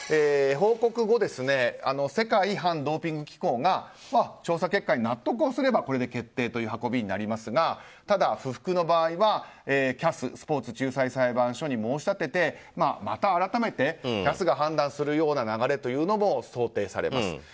報告後、世界反ドーピング機構が調査結果に納得をすればこれで決定という運びになりますがただ、不服の場合はＣＡＳ・スポーツ仲裁裁判所に申し立てて、また改めてＣＡＳが判断するような流れというのも想定されます。